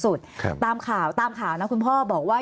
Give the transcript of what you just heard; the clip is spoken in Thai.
สูงสุดคือตามข่าวตามข่าวนะคุณพ่อบอกว่า